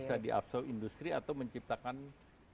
bisa di absorb industri atau menciptakan lapangan kerja sendiri